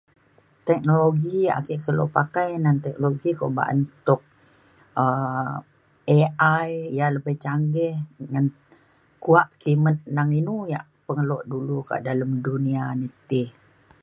teknologi yak ake kelo pakai na teknologi kuak ba’an tuk um AI ia’ lebih canggih ngan kuak kimet neng inu yak pengelo dulu kak dalem dunia ni ti.